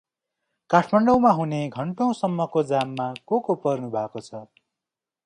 काठमाडौ मा हुने घन्टौंसम्म को जाममा को को पर्नुभाको छ?